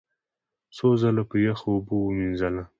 څو ځله په یخو اوبو ومینځله،